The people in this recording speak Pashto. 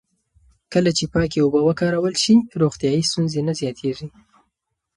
کله چې پاکې اوبه وکارول شي، روغتیایي ستونزې نه زیاتېږي.